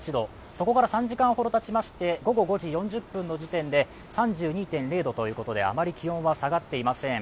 そこから３時間ほどたちまして、午後５時４０分の時点で３２．０度ということであまり気温は下がっていません。